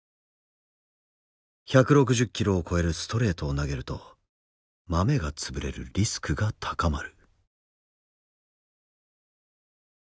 １６０キロを超えるストレートを投げるとまめが潰れるリスクが高まる。